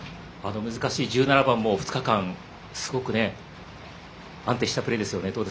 難しい１７番も２日間すごく安定したプレーですよね。